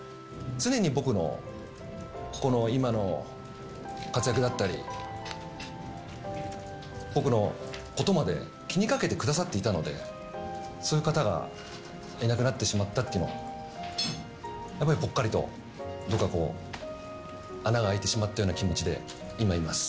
常に僕のこの今の活躍だったり、僕のことまで気にかけてくださっていたので、そういう方がいなくなってしまったっていうのは、やっぱりぽっかりと、僕は穴が開いてしまったような気持ちで今、います。